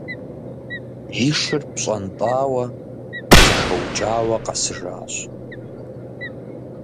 И шыр пщӀэнтӀауэ, зэхэукӀауэ къэсыжащ.